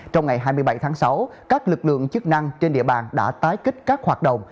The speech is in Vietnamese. trong ngày hai mươi bảy tháng sáu các lực lượng chức năng trên địa bàn đã tái kích các hoạt động